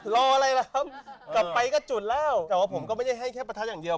รออะไรแล้วกลับไปก็จุดแล้วแต่ว่าผมก็ไม่ได้ให้แค่ประทัดอย่างเดียว